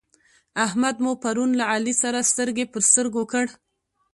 احمد مو پرون له علي سره سترګې پر سترګو کړ.